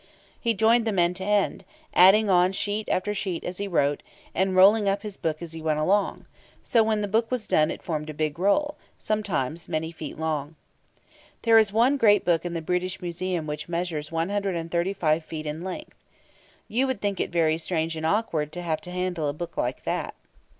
He joined them end to end, adding on sheet after sheet as he wrote, and rolling up his book as he went along; so when the book was done it formed a big roll, sometimes many feet long. There is one great book in the British Museum which measures 135 feet in length. You would think it very strange and awkward to have to handle a book like that.